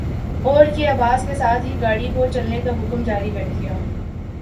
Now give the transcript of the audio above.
اور کی آواز کے ساتھ ہی گاڑی کو چلنے کا حکم جاری کر دیا ۔